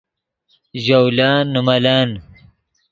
ژولن نے ملن